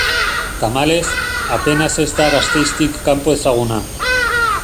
Tamalez, apenas ez da Gasteiztik kanpo ezaguna.